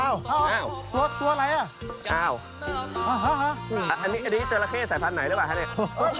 อ้าวอะฮะเจอรัเขต์ใส่พันธุ์ไหนหรือเปล่าฮะอุ๊ย